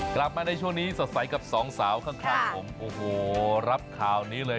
กลับมาในช่วงนี้สดใสกับสองสาวข้างผมโอ้โหรับข่าวนี้เลย